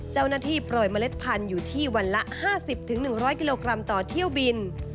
เจ้าหน้าที่ปล่อยเมล็ดพันธุ์อยู่ที่วันละ๕๐๑๐๐กิโลกรัมต่อเที่ยวบิน